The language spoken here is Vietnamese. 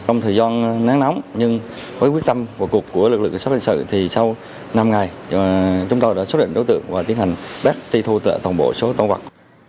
trong thời gian nắng nóng nhưng với quyết tâm của cục của lực lượng xác định sự thì sau năm ngày chúng tôi đã xuất hiện đối tượng và tiến hành bác ti thu tựa tổng bộ số tôn vật